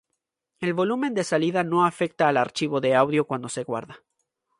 El volumen de salida no afecta al archivo de audio cuando se guarda